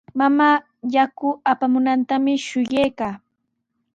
Mamaa yaku apamunantami shuyaykaa.